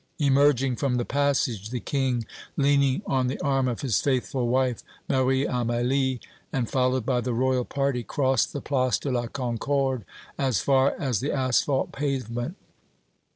Emerging from the passage, the King, leaning on the arm of his faithful wife, Marie Amélie, and followed by the Royal party, crossed the Place de la Concorde as far as the asphalt pavement.